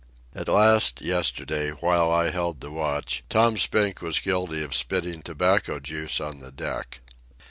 At last, yesterday, while I held the watch, Tom Spink was guilty of spitting tobacco juice on the deck.